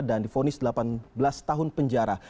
dan difonis delapan belas tahun penjara